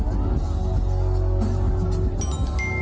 อ่าฮือฮือฮือ